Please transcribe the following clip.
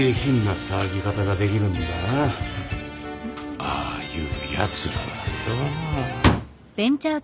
ああいうやつらはよ。